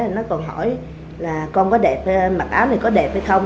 nó còn hỏi là con có đẹp mặc áo này có đẹp hay không